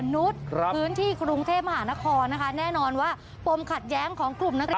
นี่คุณจะเปิดเทิมเองนะ